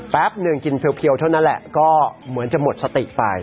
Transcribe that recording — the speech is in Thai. หนึ่งกินเพียวเท่านั้นแหละก็เหมือนจะหมดสติไป